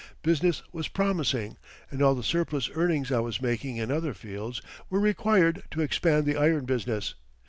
Business was promising and all the surplus earnings I was making in other fields were required to expand the iron business.